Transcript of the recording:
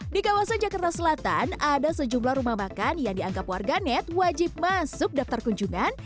di kawasan jakarta selatan ada sejumlah rumah makan yang dianggap warganet wajib masuk daftar kunjungan